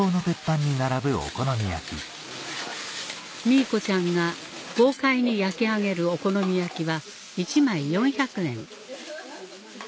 ミーコちゃんが豪快に焼き上げるお好み焼きは一枚４００円